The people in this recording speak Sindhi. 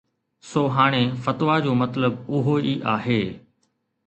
سو هاڻي فتويٰ جو مطلب اهو ئي آهي